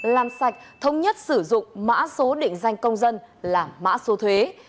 làm sạch thống nhất sử dụng mã số định danh công dân là mã số thuế